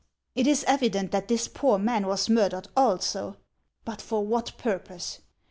It is evident that this poor man was murdered also ; but for what purpose